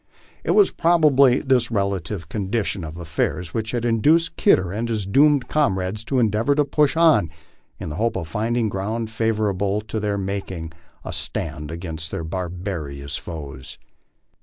It was proba bly this relative condition of affairs which had induced Kidder and his doomed comrades to endeavor to push on in the hope of finding ground favorable to their making a stand against their barbarous foes.